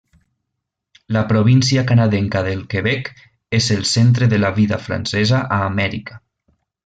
La província canadenca del Quebec és el centre de la vida francesa a Amèrica.